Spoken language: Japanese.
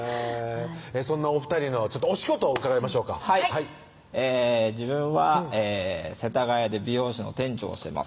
そんなお２人のお仕事を伺いましょうか自分は世田谷で美容師の店長をしてます